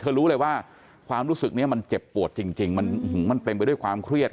รู้เลยว่าความรู้สึกนี้มันเจ็บปวดจริงมันเต็มไปด้วยความเครียด